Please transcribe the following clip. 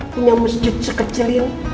punya masjid sekecil ini